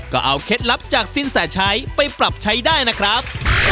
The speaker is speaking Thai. ก็เอาเคล็ดลับจากสินแสชัยไปปรับใช้ได้นะครับ